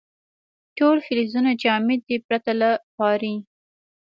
ټول فلزونه جامد دي پرته له پارې.